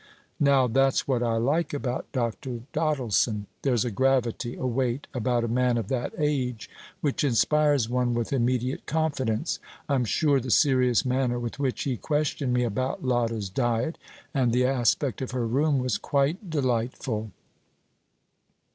Now, that's what I like about Dr. Doddleson. There's a gravity a weight about a man of that age which inspires one with immediate confidence. I'm sure the serious manner with which he questioned me about Lotta's diet, and the aspect of her room, was quite delightful."